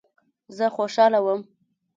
زه خوشاله وم.